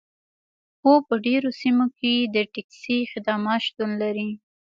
هو په ډیرو سیمو کې د ټکسي خدمات شتون لري